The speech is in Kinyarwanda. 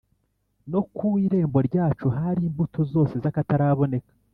no ku irembo ryacu hari imbuto zose z’akataraboneka,